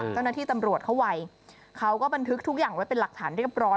เจ้าหน้าที่ตำรวจเขาไวเขาก็บันทึกทุกอย่างไว้เป็นหลักฐานเรียบร้อย